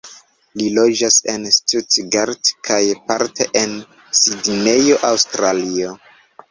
Li loĝas en Stuttgart kaj parte en Sidnejo, Aŭstralio.